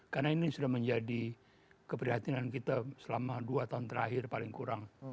karena ini sudah menjadi keprihatinan kita selama dua tahun terakhir paling kurang